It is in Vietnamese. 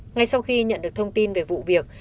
ngay sau khi nhận được thông tin về vụ việc